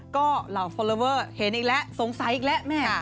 ก็เหล่าฟอลลอเวอร์เห็นอีกแล้วสงสัยอีกแล้วแม่